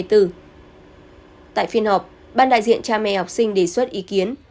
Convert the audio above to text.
tại phiên họp ban đại diện cha mẹ học sinh đề xuất ý kiến